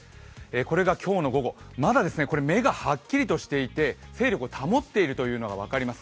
これが今日の午後、まだ目がはっきりしていて、勢力を保っているというのが分かります。